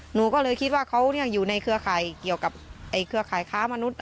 หนูก็เลยคิดว่าเขาอยู่ในเครือข่าย